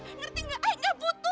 ngerti nggak eh nggak butuh